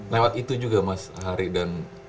lewat itu juga mas hari dan